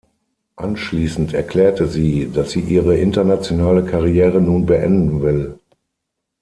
Anschließend erklärte sie, dass sie ihre internationale Karriere nun beenden will.